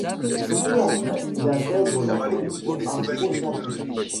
Peu après il intègre la Production Afro Centrique.